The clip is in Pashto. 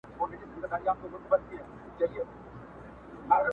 د ښکاري نامرده بدې دسيسې دي